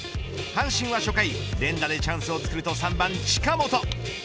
阪神は初回、連打でチャンスを作ると３番近本。